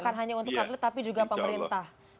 bukan hanya untuk atlet tapi juga pemerintah